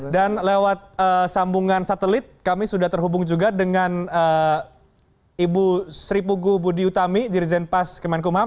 dan lewat sambungan satelit kami sudah terhubung juga dengan ibu sri pugu budi utami dirjen pas kemenkum ham